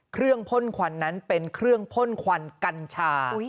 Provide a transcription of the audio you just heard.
เครื่องพ่นขวัญนั้นเป็นเครื่องพ่นขวัญกัญชา